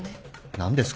何ですか？